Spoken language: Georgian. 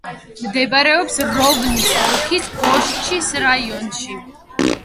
მდებარეობს როვნოს ოლქის გოშჩის რაიონში.